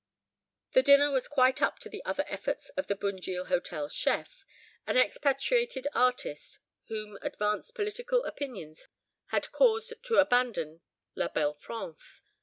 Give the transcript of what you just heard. The dinner was quite up to the other efforts of the Bunjil Hotel chef, an expatriated artist whom advanced political opinions had caused to abandon "la belle France."